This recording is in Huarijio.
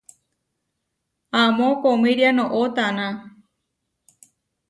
Amó koʼomíria noʼó taná.